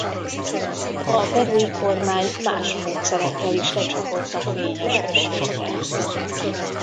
A Perui kormány más módszerekkel is lecsapott a Fényes Ösvényre.